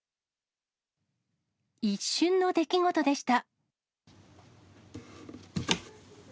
一瞬の出来事でした。